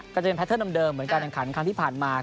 ก็จะเป็นแทเทิร์เดิมเหมือนการแข่งขันครั้งที่ผ่านมา